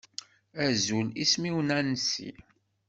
Azul, isem-iw Nancy.